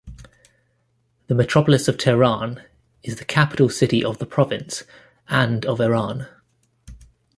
The metropolis of Tehran is the capital city of the province and of Iran.